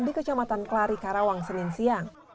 di kecamatan kelari karawang senin siang